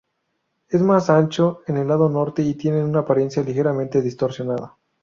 Es más ancho en el lado norte, y tiene una apariencia ligeramente distorsionada.